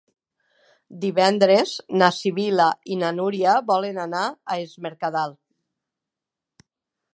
Divendres na Sibil·la i na Núria volen anar a Es Mercadal.